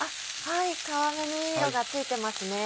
皮目にいい色がついてますね。